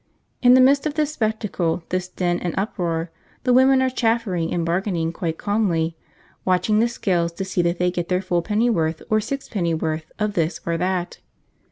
In the midst of this spectacle, this din and uproar, the women are chaffering and bargaining quite calmly, watching the scales to see that they get their full pennyworth or sixpennyworth of this or that.